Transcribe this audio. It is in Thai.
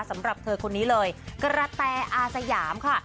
สำหรับเธอคนนี้เลยกระแตอาสยามค่ะ